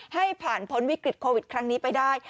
ให้ผ่านพ้นวิกฤตโควิดครั้งนี้ไปได้